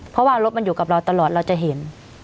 เพราะว่ารถมันอยู่กับเราตลอดเราจะเห็น